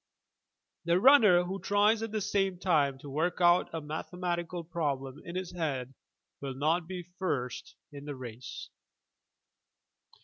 The runner who tries at the same time to work out a mathematical problem in his head will not be first in the race!